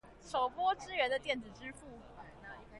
首波支援的電子支付